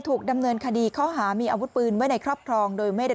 ถูกดำเนินคดีข้อหามีอาวุธปืนไว้ในครอบครองโดยไม่ได้